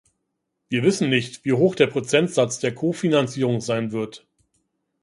Wir wissen nicht, wie hoch der Prozentsatz der Kofinanzierung sein wird.